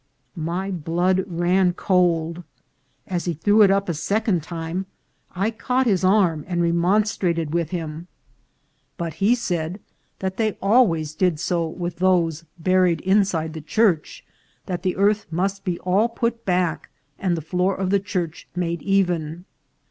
My blood ran cold. As he threw it up a second time I caught his arm and remonstrated with 372 INCIDENTS OP TRAVEL. him, but he said that they always did so with those buried inside the church ; that the earth must be all put back, and the floor of the church made even.